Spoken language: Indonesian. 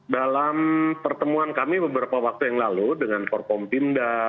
dalam pertemuan kami beberapa waktu yang lalu dengan korpompinda